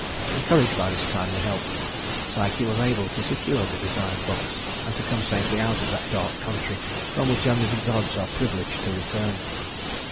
Encouraged by this timely help, Psyche was able to secure the desired box, and to come safely out of that dark country from which only the gods are privileged to return.